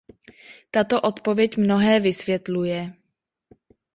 Tato odpověď mnohé vysvětluje.